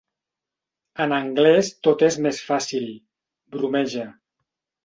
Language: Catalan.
En anglès tot és més fàcil —bromeja—.